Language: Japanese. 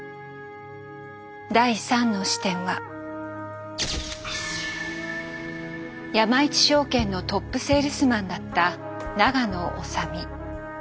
第３の視点は山一証券のトップセールスマンだった永野修身。